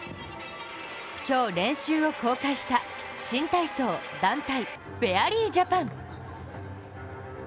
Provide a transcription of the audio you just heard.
今日、練習を公開した新体操団体フェアリージャパン。